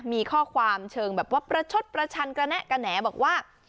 มีข้อความเชิงแบบว่าประชดประชันกระแนะกระแหน่บอกว่า